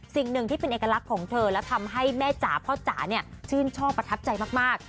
สิ่งหนึ่งที่เป็นเอกลักษณ์ของเธอและทำให้แม่จ๋าพ่อจ๋าเนี่ยชื่นชอบประทับใจมาก